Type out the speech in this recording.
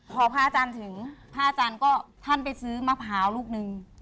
พอพระอาจารย์ถึงพระอาจารย์ก็ท่านไปซื้อมะพร้าวลูกนึง